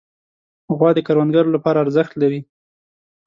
غوا د کروندګرو لپاره ارزښت لري.